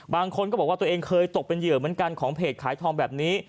บางคนก็บอกว่าตัวเองเคยตกเป็นเหยื่อเหมือนกันของเพจขายทองแบบนี้